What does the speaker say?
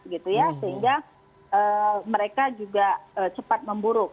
sehingga mereka juga cepat memburuk